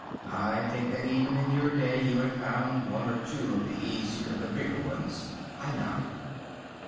I think that even in your day you had found one or two of the easier, the bigger ones?" I nodded.